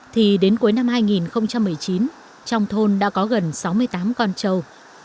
thì đến cuối năm hai nghìn một mươi chín trong thôn đã có gần sáu mươi tám con trâu